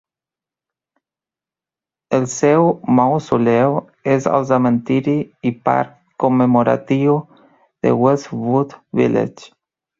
El seu mausoleu és al cementiri i parc commemoratiu de Westwood Village.